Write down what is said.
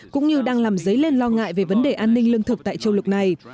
cũng như đang làm dấy lên lo ngại về vấn đề an ninh lương thực tại châu lục này